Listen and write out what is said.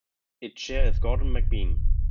Its chair is Gordon McBean.